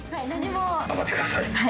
頑張って下さい。